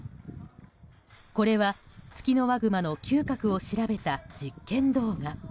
これはツキノワグマの嗅覚を調べた実験動画。